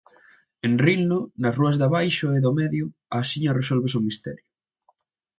En Rinlo, nas rúas de Abaixo e do Medio, axiña resolves o misterio: